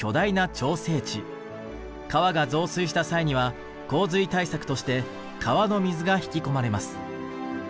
川が増水した際には洪水対策として川の水が引き込まれます。